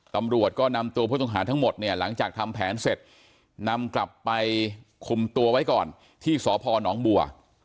ตำรวจก็นำตัวผู้ต้องหาทั้งหมดเนี่ยหลังจากทำแผนเสร็จนำกลับไปคุมตัวไว้ก่อนที่สพนบัว